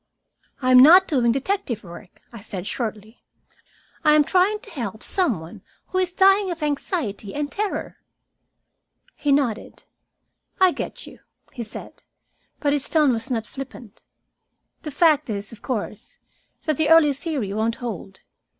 "I am not doing detective work," I said shortly. "I am trying to help some one who is dying of anxiety and terror." He nodded. "I get you," he said. But his tone was not flippant. "The fact is, of course, that the early theory won't hold.